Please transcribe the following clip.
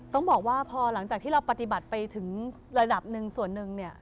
ต้องบอกว่าพอหลังจากที่เราปฏิบัติไปถึงระดับหนึ่งส่วนหนึ่งเนี่ย